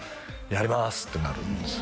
やりますってなるんです